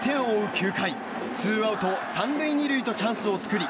９回ツーアウト３塁２塁とチャンスを作り